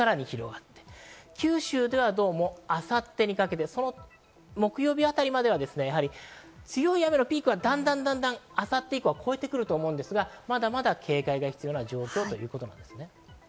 九州では明後日にかけて木曜日あたりまでは強い雨のピークはだんだん明後日以降、越えてくると思うんですが、まだまだ警戒が必要な状況ということです。